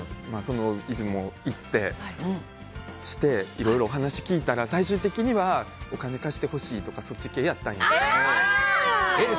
出雲に行っていろいろお話を聞いたら最終的にはお金貸してほしいとかそっち系やったんやけど。